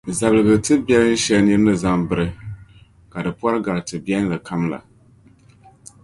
zabiliga tibiɛl’ shɛli nir’ ni zaŋ biri, ka di pɔri gari tibiɛlinli kam la.